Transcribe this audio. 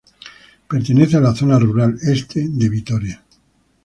Pertenece a la Zona Rural Este de Vitoria.